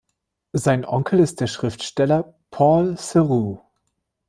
Sein Onkel ist der Schriftsteller Paul Theroux.